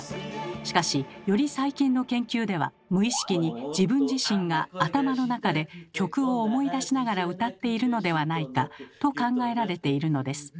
しかしより最近の研究では無意識に自分自身が頭の中で曲を思い出しながら歌っているのではないかと考えられているのです。